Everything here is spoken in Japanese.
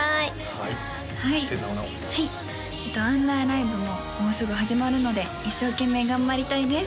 はいそしてなおなおはいアンダーライブももうすぐ始まるので一生懸命頑張りたいです